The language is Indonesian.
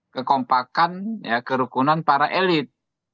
kekompakan kerukunan para elit